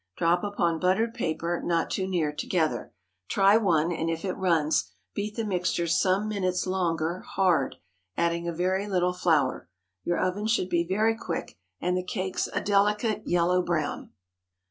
Drop upon buttered paper, not too near together. Try one, and if it runs, beat the mixture some minutes longer hard, adding a very little flour. Your oven should be very quick, and the cakes a delicate yellow brown.